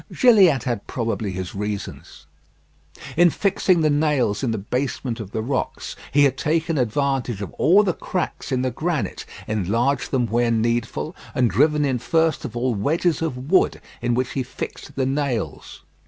Gilliatt had probably his reasons. In fixing the nails in the basement of the rocks, he had taken advantage of all the cracks in the granite, enlarged them where needful, and driven in first of all wedges of wood, in which he fixed the nails.